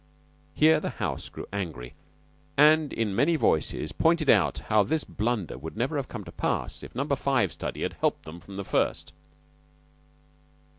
Here the house grew angry, and in many voices pointed out how this blunder would never have come to pass if Number Five study had helped them from the first.